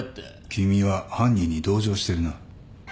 君は犯人に同情してるな。